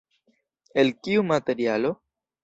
El kiu materialo?